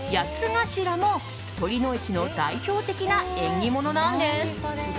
頭も酉の市の代表的な縁起物なんです。